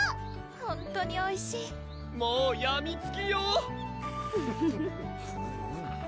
ほんとにおいしいもう病みつきよ！